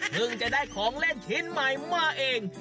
พึ่งจะได้ของเล่นคลิปใหม่มาเอง